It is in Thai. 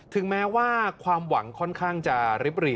ถึงแม้ว่าความหวังค่อนข้างจะริบหรี่